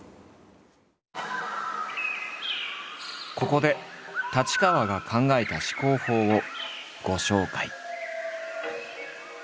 ここで太刀川が考えた思考法をご紹介。